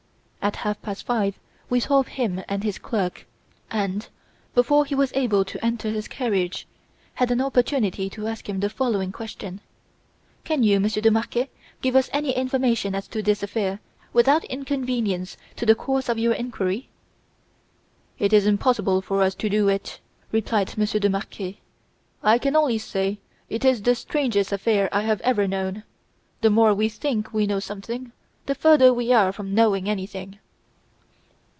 At half past five we saw him and his clerk and, before he was able to enter his carriage, had an opportunity to ask him the following question: "'Can you, Monsieur de Marquet, give us any information as to this affair, without inconvenience to the course of your inquiry?' "'It is impossible for us to do it,' replied Monsieur de Marquet. 'I can only say that it is the strangest affair I have ever known. The more we think we know something, the further we are from knowing anything!